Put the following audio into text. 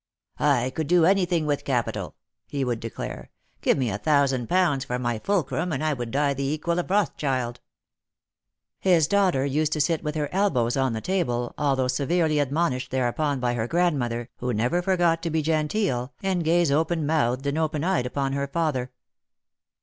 " I could do anything with capital !" he would declare. " Give me a thousand pounds for my fulcrum, and I would die the equal of Rothschild." His daughter used to sit with her elbows on the table, although severely admonished thereupon by her grandmother, who never forgot to be genteel, and gaze open mouthed and open eyed upon her father.